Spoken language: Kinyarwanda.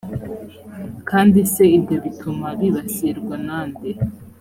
kandi se ibyo bituma bibasirwa na nde ?